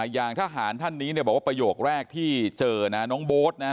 อย่างทหารท่านนี้เนี่ยบอกว่าประโยคแรกที่เจอนะน้องโบ๊ทนะ